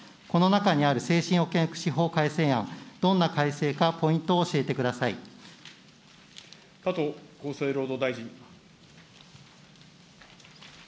この中にある精神保健福祉法改正案、どんな改正か、ポイントを教加藤厚生労働大臣。